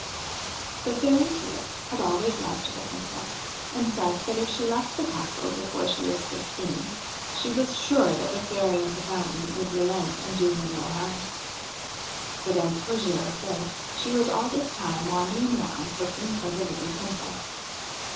The Fairy Tulip had always loved the Princess, and said that if she left the castle before she was fifteen, she was sure that the Fairy of the Fountain would relent and do her no harm. But, as for Giroflee, she was all this time wandering round looking for the little Princess.